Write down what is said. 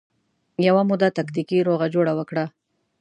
یوه موده تکتیکي روغه جوړه وکړه